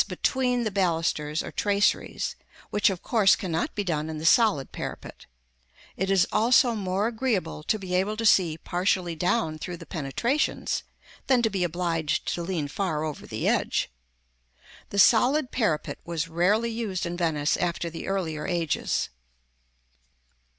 between the balusters or traceries, which of course cannot be done in the solid parapet: it is also more agreeable to be able to see partially down through the penetrations, than to be obliged to lean far over the edge. The solid parapet was rarely used in Venice after the earlier ages.